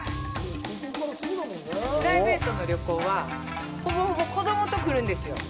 プライベートの旅行はほぼほぼ子供と来るんですよ。